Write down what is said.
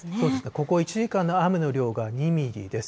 ここ１時間の雨の量が２ミリです。